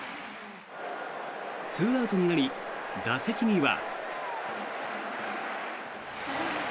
２アウトになり、打席には。